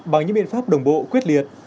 bằng những biện pháp đồng bộ quyết liệt